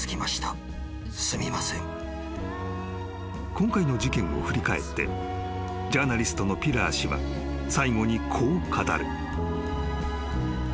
［今回の事件を振り返ってジャーナリストのピラー氏は最後にこう語る］